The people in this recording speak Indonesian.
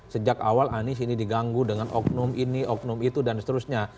sejak awal anies ini diganggu dengan oknum ini oknum itu dan seterusnya